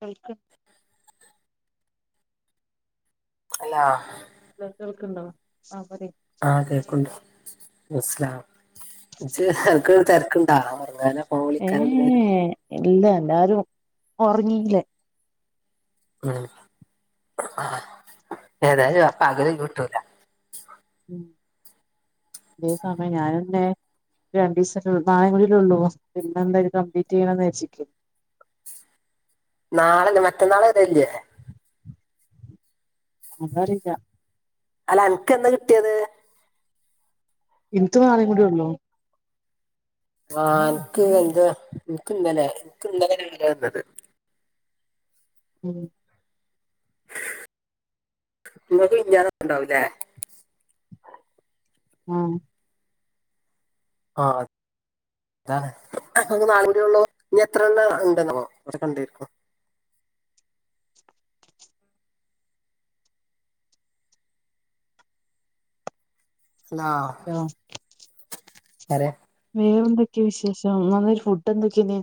കഴിക്ക hello hello കേൾക്ക്ണ്ടോ? ആഹ് പറി. ആഹ് കേൾക്കുണ്ട് സ്ലാം ഇജ്ജ് അനക്ക് തെര്ക്കുണ്ടാ ഉറങ്ങാനോ ഏഹ് ഇല്ല, എല്ലാരും ഉറങ്ങീല്ലേ? ആഹ് ഏതായാലും പകല് ഒഴിവ് കിട്ടൂല. ഉമ് അതേ സമയം ഞാനന്നെ. രണ്ടീസം ല്ലൂ നാളെ കൂടിയല്ലേ ഉള്ളു പിന്നെന്താലും കംപ്ലീറ്റ് ചെയ്യണന്ന് വിചാര്ച്ചിക്ക നാളെല്ല മറ്റന്നാൾ വരല്ലേ? അതറീല. അല്ല അനക്കെന്നാ കിട്ടിയത്? ഇൻക്ക് നാളെകൂടിയുള്ളൂ. ആഹ് അൻക്ക് എന്താ ഇൻക്ക് ഇന്നലെ എനിക്ക് ഇന്നലല്ല വന്നത്. ഉമ് നിങ്ങക്ക് വിര്ന്നാരൊക്കെ ഉണ്ടാവല്ലേ? ആഹ് ആഹ്. അതാണ് നമക്ക് നാളെയും കൂടി ഉള്ളോ ഇനി എത്ര എണ്ണം ഉണ്ടെന്ന ഒക്കെ കണ്ടരിക്കോ? ഹലോ. ഹലോ. പറയാ. വേറെന്തൊക്കെ വിശേഷം. നല്ലൊരു ഫുഡ്ഡെന്തൊക്കേന്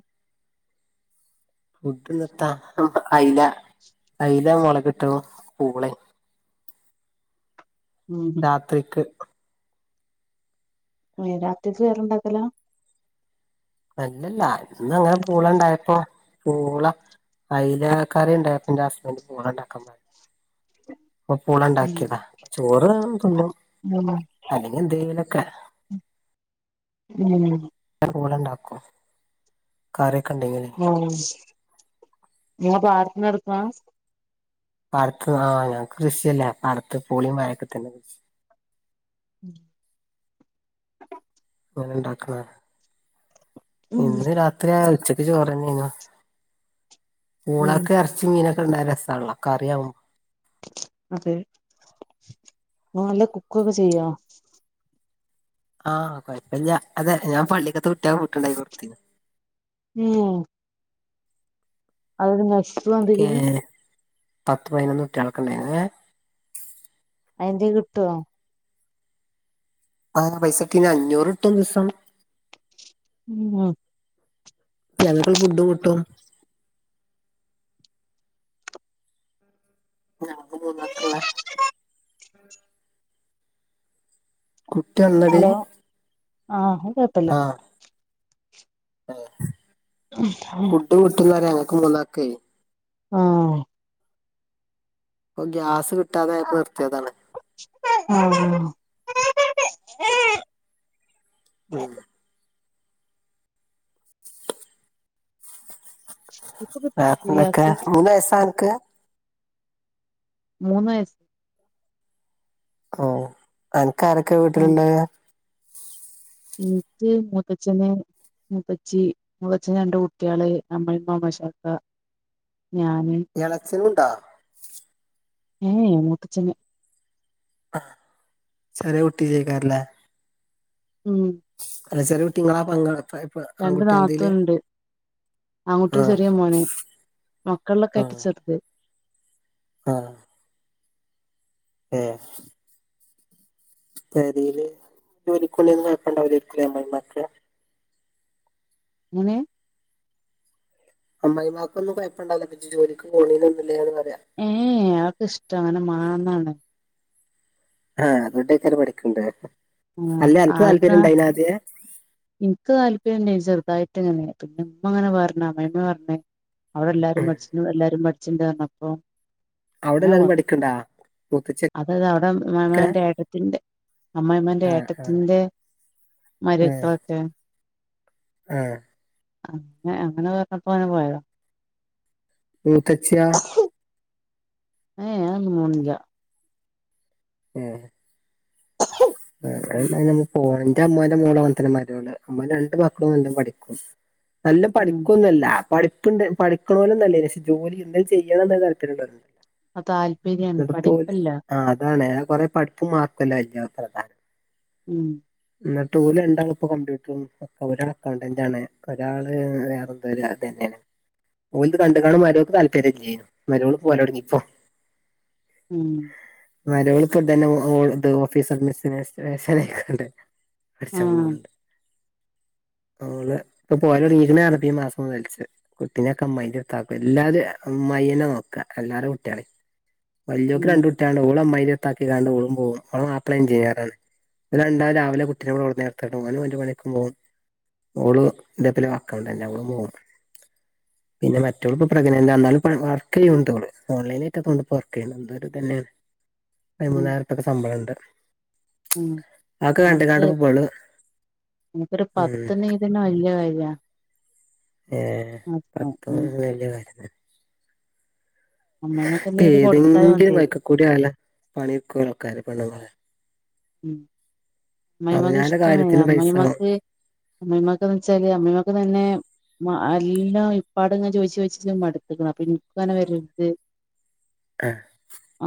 ഫുഡ്‌ ഇന്ന് എത്താ അയ്ല അയ്ല മൊളക് ഇട്ടതും പൂളെ ഉമ് രാത്രിക്ക്. രാത്രിക്ക് വേറണ്ടാക്കല? അല്ലല്ല ഇന്ന അങ്ങനെ പൂള ഇണ്ടായപ്പോ പൂള. അയില ക്കറി ഉണ്ടായപ്പൊ എന്റെ ഹസ്ബന്റ് പൂള ഇണ്ടാക്കാൻ പറഞ്. [unintelligible] അപ്പൊ പൂള ഉം ഉണ്ടാക്കിയതാ ചോറ് തുന്നും ഉം അല്ലെങ്കിൽ എന്തേയിലൊക്കെ. ഉമ് പൂള ഇണ്ടാക്കും കറിയൊക്കെ ഇണ്ടങ്കിൽ. ഔ ശരി നിങ്ങടെ പാടത്ത് നടക്കുവ പാടത്ത് ആ ഞങ്ങക്ക് കൃഷിയല്ലെ പാടത്ത് പൂളയും വാഴ ഒക്കെകൃഷി ഉം അങ്ങനെണ്ടാക്കണ ഉം ഇന്ന് രാ ത്രി ഉച്ചക്ക് ചോറന്നെയ്നു ഉം പൂളെക്കെ എർ ചിങ്ങനൊക്കെണ്ടര രസമാണല്ലൊ കറിയാവുമ്പോ അതെ മോള് കുക്കൊക്കെ ചെയ്യൊ ആഹ് കൊയപ്പില്ല്യ അതെ ഞാ പള്ളിക്കത്തെ കുട്ട്യോളെ ഫുഡ്‌ ഇണ്ടാക്കിക്കൊടുത്തി മ് [unintelligible] ക്കെ പത്ത് പയ്നൊന്ന് കുട്ട്യാളൊക്കെ ഇണ്ടായിനു. അയ് എന്തേകിട്ടുവോ ആ പൈസട്ടിന് അഞ്ഞൂറ്ട്ടും ഒര്സം മ് ഞങ്ങൾക്ക്ള്ള ഫുഡും കിട്ടും ഞാങ്ങക്ക് മൂന്നാൽ കുള്ളെ കുട്ടി ഒന്നത് ഹലോ ആഹ് അ ആഹ് അതെ [unintelligible] ക്കുപുട്ടുന്നൊരെ ഞങ്ങക്ക് മൂന്നാക്കേ ആഹ് ഇപ്പൊ ഗ്യാസ് കിട്ടാതയപ്പോ നിർത്തിയതാണ് ആഹ് ആഹ് ഉം ഇപ്പൊ കിട്ടുന്നില്ലേ വേറെന്തൊക്കെ ഗ്യാസ് മൂന്നയസാൻക്ക് മൂന്ന് വയസ് ഓഹ് അന്ക്ക് ആരൊക്കെ വീട്ടിലുണ്ട് ൻക്ക് മൂത്തച്ചന് മുത്തച്ചി മുത്തച്ചന്റെ രണ്ട് കുട്ട്യാള് അമ്മയ്മ്മ അമ്മശാക്ക ഞാന് ഏളച്ചനുണ്ടോ ഏയെ മൂത്തച്ചന് ആഹ് ചെറിയ കുട്ടിതെക്കാരലേ ഉം അല്ല ചെറിയകുട്ടിങ്ങളാ പങ്കളപ്പ രണ്ട് നാത്തുൻണ്ട് ആങ്ങുട്ടിൽ ആ ചെറിയ മോന് മക്കല്ലൊക്കെ ഏറ്റും ചെറ്ത് ആഹ് ഏഹ് പെരിയില് ജോലിക്കുണ്ടിന്ന് കൊഴപ്പം ഉണ്ടാവില്ലായിരിക്കെ അമ്മായിമ്മക്ക്. എങ്ങനെ അമ്മയ്‌മാക്കൊന്നും കുഴപ്പണ്ടജ്പിന്നെ ജോലിക്ക് പോണീന്ന്നില്ലേന്ന് പറ്യാ ഏയ് എഹ് അവക്ക്ഷ്ടമാണ് മാന്നാണ് ആഹ് അതുകൊണ്ടെക്കാരം പഠിക്ക്ണ്ടെ ആഹ് അല്ല അൻക്ക് ആൾക്ക് ആ താല്പര്യണ്ടയ്നാദ്യേ ഇൻക്ക് താല്പര്യണ്ടെനി ചെറുതായിട്ട്ങ്ങനെ പിന്നമ്മങ്ങനെ പറ്ഞ്ഞ് അമ്മയിമ്മ പർഞ്ഞേ അവരെല്ലാരും പടിച് എല്ലാരും പട്ച്ച്ണ്ട്ർഞ്ഞപ്പൊ അവിടെല്ലാരും പഠിക്ക്ണ്ടാ അതത് അവ്ടെ അമ്മായ്മാന്റെ ഏട്ടത്തിന്റെ അമ്മയ്മാന്റെ ആ ആ ഏട്ടത്തിന്റെ മരുമക്കളൊക്കെ ആഹ് ആഹ് ഏഹ് അങ്ങനെപറ്ഞ്ഞപ്പോന്നെ പോയൊ മൂത്തച്ച്യോ ഏഹ് ഞാനോന്നും പോണില്യ ഏഹ് [unintelligible] [unintelligible] ഉം നമ്മള് പോണം ഇന്റെ അമ്മോന്റെ മോളങ്ങനെ തന്നെ മരോള് അമ്മോന്റെ രണ്ട് മക്കളും നല്ലോം പഠിക്കും നല്ലോം ഉം പഠിക്കോന്നുല്ല പഠിപ്പ്ണ്ട് പഠിക്ക്ണോലോന്നല്ലേ പക്ഷെ ജോലി എന്തേലും ചെയ്യണന്നൊര് താൽപര്യാണ്ടാർന്നു ആ താല്പര്യ എട്ത്തോല് ആഹ് അതാണ് കൊറെ പഠിപ്പും മാർക്കെല്ല അയ്‌ല് പ്രധാനം ഉം ഇന്നെട്ട് ഓല്ണ്ടാള്പ്പോ കംപ്യൂട്ടറും ഒക്കെ ഒരാള് അക്കൗണ്ടന്റാണ് ഒരാള് വേറെ വെര അതെന്നയാണ് ഓൽത്കണ്ട്ക്കാണ്ട് മരോക്ക് താല്പര്യല്ലേനു മരോള് പോവലൊട്ങ്ങിപ്പോ ഉം മരോളിപ്പതന്നെ ഓ ഓള്ത് ഓഫീസർ മിസ്നേഷറേഷനയിക്കാണ്ട് പഠ്ച്ചാ ആഹ് പോവ്ണ്ട് ഓള് ഇപ്പോ പോവലൊട്ങ്ങീക്ക്ണ്റ്ഞ്ഞ് ഇപ്പൊ മാസ മുതൽച്ച് കുട്ടിനെക്കെ അമ്മായിന്റെട്ത്താക്കും എല്ലാരു അമ്മായെന്നെ നോക്കാ എല്ലാരെ കുട്ട്യാളിം വല്ല്യോക്ക് ഉം രണ്ട് കുട്ട്യേള്ണ്ട് ഓള് അമ്മായിന്റെട്ത്താക്കിക്കാണ്ട് ഓളും പോവും ഓളെ മാപ്പള എഞ്ചിനീയറാണ് ഓല് രണ്ടാളും രാവിലെ കുട്ടിനെവ്ടെ കൊണ്ട്ന്നാക്ക്യാണ്ട് ഓന് ഓന്റെ പണിക്കും പോവും ഓള് ഇന്റെപ്പരെ അക്കൗണ്ടെന്റാ ഓളും പോവും പിന്നെ മറ്റൊള്പ്പം പ്രെഗ്നന്റാ ഇന്നാലുപ്പോള് വർക്കെയ്യ്ണ്ടോള് ഓൺലൈനായിട്ടാ തോന്ന്ണ്ട് പോറ് പിന്നെ എന്തോര് ഇതെന്നെ ഉം പതിമൂന്നായിറ്പ്യക്കെ ശമ്പളണ്ട് ഉം അതൊക്കെ നമുക്ക് കണ്ട്ക്കാണ്ട്പ്പ ഇബള് ഉം ഇതെന്നെ വല്ല്യ കാര്യാ ഏഹ് അപ്പൊ പഠ്ത്തൊ ഉം ഒര് വല്ല്യ കാര്യം ത [unintelligible] ഇപ്പ കൊടുത്താ ഏതെങ്കിലും മതി വയ്ക്കക്കൂടെയാല് പണിട്ക്കല്ലോള്ക്കാര് പെണ്ണ്ങ്ങള് അമ്മായിമ്മാക്ക് ഇഷ്ട്ടാണെ കാര്യത്തിന് പൈസ അമ്മായിമാക്ക് അമ്മയിമ്മാക്ക്ന്ന് വെച്ചാല് അമ്മിയിമ്മാക്ക് തന്നെ മ എല്ലാം ഇപ്പാട്ങ്ങനെ ചോയിച്ച് ചോയ്ച്ച് മട്ത്ത്ക്ക്ണ്‌ അപ്പ ഇൻക്ക്ങ്ങനെ വരര്ത് ആഹ്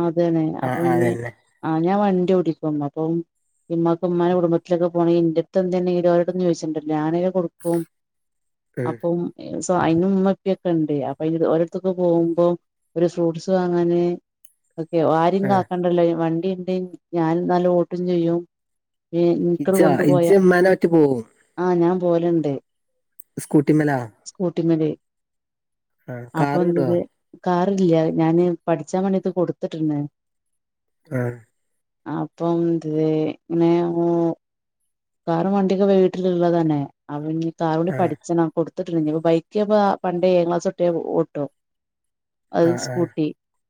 അതെന്നെ ആഹ് അപ്പൊ ഇഞ്ഞ് അതന്നെ ആഹ് ഞാൻ വണ്ടി ഓടിക്കും അപ്പം ഇമ്മാ ഇമ്മാ കുടുംബത്തിലൊക്കെ പോണെങ്കി ഇന്റെട്ത്ത് എന്തേണ്ടെങ്കി ഓലോടൊന്നും ചോയിച്ചേണ്ടല്ലോ ഞാനായ കൊട്ക്കും ഉം അപ്പം ഇ സൊ അയിന് ഉമ്മപ്പിയൊക്കെണ്ട് അപ്പൊ അയിന് ഓലെട്ത്തൊക്കെ പോവുമ്പം ഒര് ഫ്രൂട്ട്സ് വാങ്ങാന് ഒക്കെ ആരും ആഹ് കാക്കണ്ടല്ലോ വണ്ടിണ്ട് ഞാന് നല്ലോം ഓട്ടും ചെയ്യും ഏ ഇൻക്കാണ്ട് ഇജ്ജാ കൊണ്ട്പോയ ഇജ്ജ് ഇമ്മാനെ ഒറ്റ പോവും ആഹ് ഞാൻ പോല്ണ്ട് സ്കൂട്ടിമ്മലാ സ്കൂട്ടിമ്മല് ആഹ് അപ്പൊ കാറ് വിടോ [unintelligible] കാറ്ല്ല്യ ഞാന് പഠിച്ചാമാണ്ട്യക്കെ കൊട്ത്ത്ട്ട്ണ്‌ ആഹ് അപ്പം തെ ഇങ്ങനെ ഹ് കാറും വണ്ട്യേക്കെ വീട്ടില്ള്ളതന്നെ അപ്പ ഇഞ്ഞ് കാറൂടിം ആഹ് പഠിച്ചണം കൊട്ത്ത്ട്ട്ണ്‌ ഇഞ്ഞ്പ്പം ബൈക്ക്പ്പ ഞാൻ പണ്ട് ഏഴാം ക്ലാസൊട്ടെ ഓട്ടും അത് ആഹ് ആഹ് സ്കൂട്ടി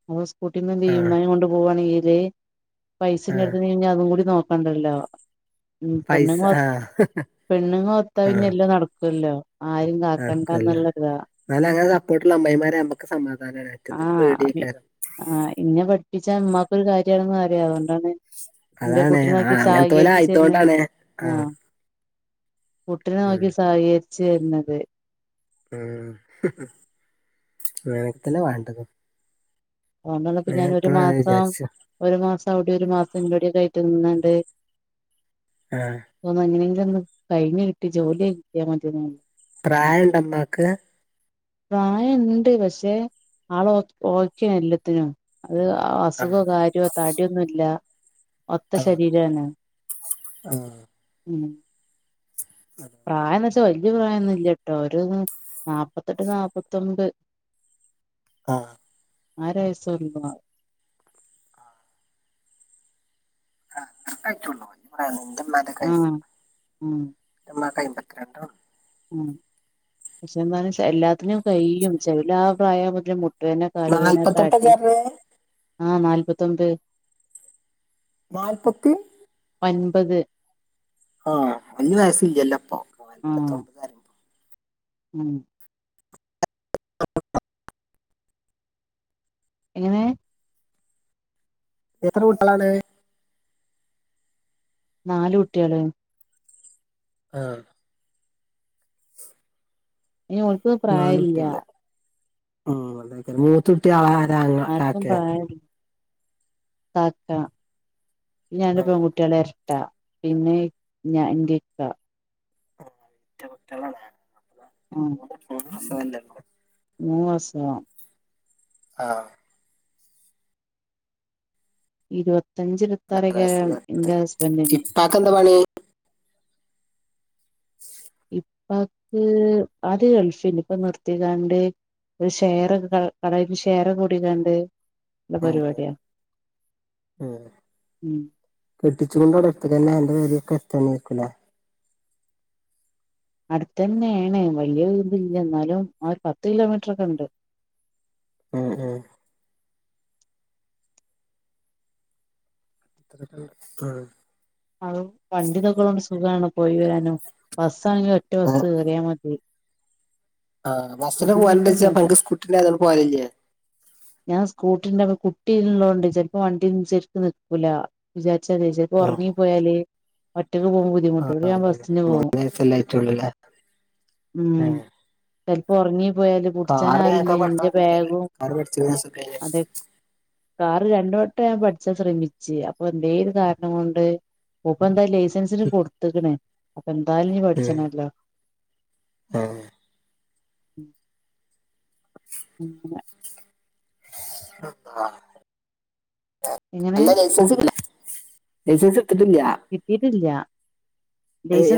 അപ്പ സ്കൂട്ടിമ്മെന്തെയ്യും ആഹ് ഇമ്മാനിം കൊണ്ട് പോവാണെങ്കില് ആഹ് പൈസന്റെട്ത്ത്ണ്ടെങ്കില് ഇഞ്ഞത്കൂടിം നോക്കണ്ടല്ലോ ഉം പൈസ പെണ്ണ്ങ്ങള് ആഹ് പെണ്ണ്ങ്ങളോത്ത പിന്നെ എല്ലാം നടക്കല്ലോ നടക്കല്ലോ എന്നാല് അങ്ങനെ സപ്പോർട്ട്ള്ള അമ്മമായിമാരെ നമ്മക്ക് സമാധാനാണ്‌ മറ്റതോര് അപ്പി പേട്യേക്കാരം ആഹ് ഇന്നെ പഠിപ്പിച്ച ഇമ്മാക്കൊരു കാര്യമാണെന്ന് അറിയ അതോണ്ടാണ് അതാണ് ആഹ് അങ്ങനെത്തൊല് ആയിത്തൊണ്ടാണ് ആഹ് കുട്ടിനെ നോക്കി സഹകരിച്ചു തരുന്നത് ളംഅങ്ങനെതന്ന വണ്ടതും ഓൻ വന്ന ഇപ്പ ഞാനൊരു അങ്ങനെ മാസം വിചാരിച്ചു ഒരു മാസം അവിടെ ഒരു മാസം ഇവിടെക്കെ ആയിട്ട് നിന്നാണ്ട് ഏ ഇതൊന്ന് എങ്ങനെയെങ്കിലും ഒന്ന് കഴിഞ്ഞ്കിട്ടി ജോലി ആയി കിട്ടിയ മതിയാരുന്നു പ്രായണ്ടമ്മാക്ക് പ്രായുണ്ട് പക്ഷേ ആള് ഓക്കെയാ എല്ലാത്തിനും ആ ഒര്അസുഖോ കാര്യ തടിയൊന്നുംല്ല ഒത്ത ശരീരമാണ് ആ ഇംപ്രായം ഇതവലിയ പ്രായന്നുംല്ലട്ടോ ഒരു നാല്പത്തെട്ട് നാപ്പത്തൊമ്പത് ആ ആരായിസോ ആ ത്ര ക്കായി ള്ളു എന്റെമ്മ വയസ്സ് ആഹ് ആഹ് എന്റെ മ്മക്ക് അമ്പത്തിരണ്ടും ഉ പക്ഷെ എന്താണ് എല്ലാത്തിനും കഴിയും ചെല പ്രായം മുതലേ മുട്ടുവേന കാലുവേന നാല്പത്തെട്ട് തടി ചേർന്ന് ആ നാൽത്തൊമ്പ് നാൽപ്പത്തി ഒൻപത് ആ വല്യ വയസ്‌ല്ലപ്പൊ നല്പത്തൊമ്പ ഇം [unintelligible] എങ്ങനെ എത്ര കുട്ടികളാണ് നാല് കുട്ട്യാള് ആ [unintelligible] നാല് കുട്ടിയാൾഉം മൂത്തു ട്ടിആര അങ്ങള കാക്കേ താത്ത ഞാൻ പൺകുട്ടികള എ ത്ത പിന്നെ ഞാൻ ൻ്റിക്ക എരട്ടകുട്ട്യാളാണ് ഇം അസുഖല്ലാർക്കുണ്ട് മൂന്ന് മാസവം ആ ഇരുപത്തഞ്ച് ഇരുപത്താറെയ്ക്കാരം എന്റെ ഹസ്ബന്റ് ന് പ്പാക്കെന്താ പണി [unintelligible] ഇപ്പൊക്ക് അദ്യ ഗൾഫ് യേ നു ഇപ്പൊ നിർത്തിക്കാണ്ട് ഒരു ഷയറൊക്കെ ക കടക്ക് ഷേ റൊക്കെ കൂടിക്കാണ്ട് ല്ല പരുവാട്യ ഉം കെട്ടിച്ചു കൊണ്ടോണ് എട്ത്ത്ക്കന്നെ അൻ്റെ പെര്യൊക്കെ എര്ത്തന്നെയ് ക്കൂലെ അട്ത്തന്യേണ് വല്യ ത്‌ല്യ ന്നാലും ആ ഒരു പത്ത് കിലോമീറ്ററൊക്കെണ്ട് എ ഇം അ ഹൗ വണ്ടിതൊക്കെള്ളോണ്ട് സുഖാണ് പോയി വരാന് ബസ്സാണെങ്കി ഒറ്റ ബസ്സ് കേറിയ മതി ആ ബസ്സിലൊക്കെ പോലാണ്ടൊപ്പജ് ബുദ്ധിമുട്ടൊന്നുല്ല അനക്ക് സ്‌കൂട്ടി ണ്ടായതോണ്ട് പോവില്ലേ ഞാൻ സ്കൂട്ടി കുട്ടി ചിലപ്പോ നിക്കൂലാ വണ്ടി ചെരിക്കക്ക് നിൽക്കൂല വിചാരിച്ച ഉറങ്ങി പോയാലെ ഒറ്റൊക്ക് പോകുമ്പോ ബുദ്ധിമുട്ട് ണ്ട് ഇന്നട്ട ഞാൻ ബസ്സിന് മൂന്ന് പോകും വയസ്സല്ലേ ആയിട്ടുള്ളൂല്ലേ ഉം ചെൽപ്പൊ ഒർങ്ങി പോയല് പുടിച്ചാ നാരുല്ലെയ്നും ഇന്റെ ബാഗും അൗടെ പഠ്ച്ചതാ ഷെ അതെ കാറ് രണ്ട വട്ടം ഞാൻ പഠിച്ചാ ശ്രമിച്ച് അപ്പൊ എന്തേ ഒരു കാരണം കൊണ്ട് മൂപ്പ എന്താ ലൈസൻസിന് കൊടുത്ത്ക്ണ് അപ്പൊ എന്തായാലും ഞ് പഠിച്ചണല്ലോ ഉം അങ്ങനെ [unintelligible] ഇങ്ങനെ നല്ല ലൈസൻസിലെ ലൈസൻസ്‌ട്ത്ത്ട്ടില്ല്യ കിട്ടീട്ട്ല്യ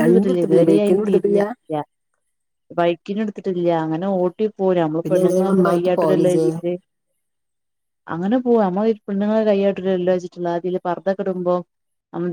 രണ്ടും എടുത്തിട്ടില്ല ഇതുവരെ അതിന് ബൈക്കിനും എടുത്തിട്ടില്ല തിരിഞ്ഞിട്ടില്ല ബൈക്കിനിട്ത്ത്ട്ട്ല്യ അങ്ങനെ ഓട്ടി പോവും നമ്മള് പിന്നെ എങ്ങനെ നിങ്ങളെ പെണ്ണുങ്ങളാവുമ്പൊ ഉമ്മാന്റടുത്ത് പോവല് കയ്യാട്ടുല്ലല്ലോ ഇജ്ജ്? കര്തിട്ട് അങ്ങനെ പോവും നമ്മള് പെണ്ണ്ങ്ങളെ കൈയാട്ടൂലല്ലോച്ചിട്ടുള്ളാതില് പർദ്ദക്കെടുമ്പോ